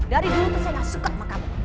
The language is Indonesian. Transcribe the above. dari dulu tuh saya gak suka sama kamu